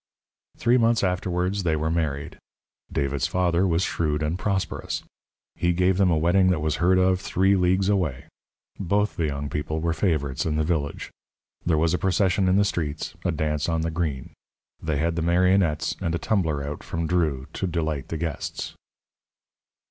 Three months afterwards they were married. David's father was shrewd and prosperous. He gave them a wedding that was heard of three leagues away. Both the young people were favourites in the village. There was a procession in the streets, a dance on the green; they had the marionettes and a tumbler out from Dreux to delight the guests.